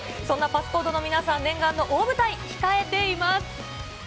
そんなＰａｓｓＣｏｄｅの皆さん、念願の大舞台、控えています。